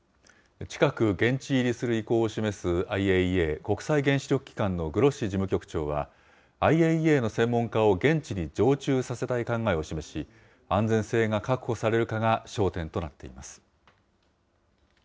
近く、現地入りする意向を示す、ＩＡＥＡ・国際原子力機関のグロッシ事務局長は、ＩＡＥＡの専門家を現地に常駐させたい考えを示し、安全性が確保されるかが焦点となっています。